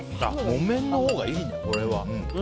木綿のほうがいいね、これは。